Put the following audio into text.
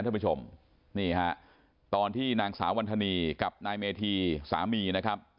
ท่านผู้ชมนี่ฮะตอนที่นางสาววันธนีกับนายเมธีสามีนะครับ